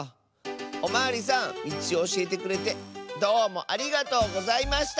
おまわりさんみちをおしえてくれてどうもありがとうございました！